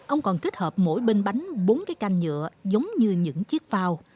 ông còn kết hợp mỗi bên bánh bốn cái canh nhựa giống như những chiếc phao